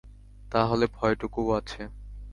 তা হলে ভয়টুকুও আছে!